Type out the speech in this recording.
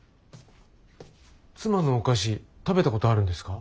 妻のお菓子食べたことあるんですか？